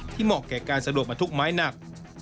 เหมาะแก่การสะดวกมาทุกไม้หนัก